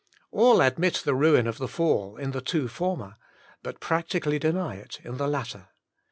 All admit the ruin of the fall in the two former, but practically deny it in the latter.